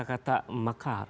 itu kan lebih kepada penegakannya